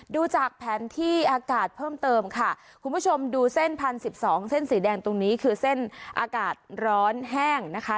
ดูจากแผนที่อากาศเพิ่มเติมค่ะคุณผู้ชมดูเส้นพันสิบสองเส้นสีแดงตรงนี้คือเส้นอากาศร้อนแห้งนะคะ